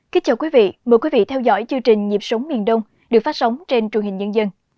kính chào quý vị mời quý vị theo dõi chương trình nhịp sống miền đông được phát sóng trên truyền hình nhân dân